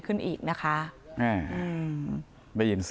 ด้วยเหตุผลอะไรก็แล้วแต่ก็ทำร้ายกันแบบนี้ไม่ได้